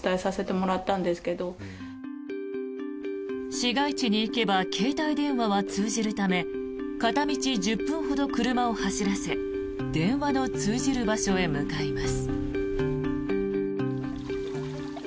市街地に行けば携帯電話は通じるため片道１０分ほど車を走らせ電話の通じる場所へ向かいます。